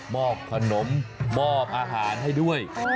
อบขนมมอบอาหารให้ด้วย